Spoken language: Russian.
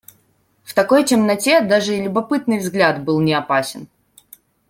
В такой темноте даже и любопытный взгляд был неопасен.